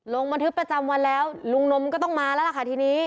ลงบันทึกประจำวันแล้วลุงนมก็ต้องมาแล้วล่ะค่ะทีนี้